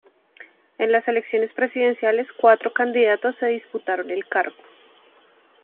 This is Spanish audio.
En las elecciones presidenciales, cuatro candidatos se disputaron el cargo.